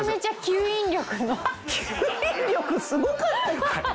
吸引力すごかった。